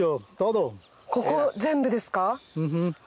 ここ全部ですか？